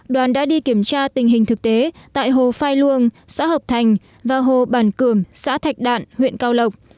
đoàn đã đi kiểm tra tình hình thực tế tại hồ pha luông xã hợp thành và hồ bàn cửm xã thạch đạn huyện cao lộc